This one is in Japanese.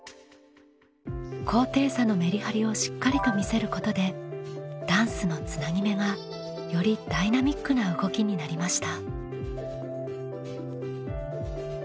高低差のメリハリをしっかりと見せることでダンスのつなぎ目がよりダイナミックな動きになりました。